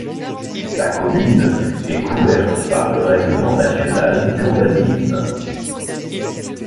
La commune est couverte par le Règlement national d'urbanisme.